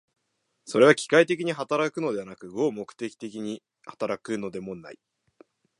それは機械的に働くのではなく、合目的的に働くのでもない。